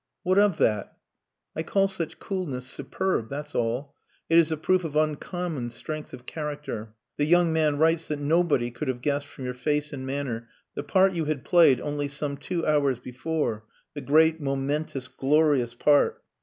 "What of that?" "I call such coolness superb that's all. It is a proof of uncommon strength of character. The young man writes that nobody could have guessed from your face and manner the part you had played only some two hours before the great, momentous, glorious part...."